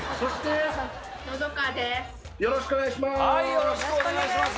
よろしくお願いします。